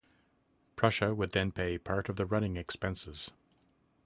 Prussia would then pay part of the running expenses.